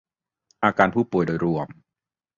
อาการผู้ป่วยโดยรวม